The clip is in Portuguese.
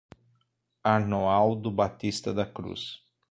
Arnoaldo Batista da Cruz